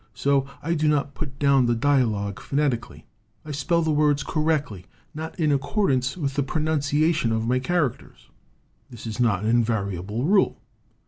So I do not put down the dialogue phonetically. I spell the words correctly, not in accordance with the pro nunciation of my characters. "This is not an invariable rule.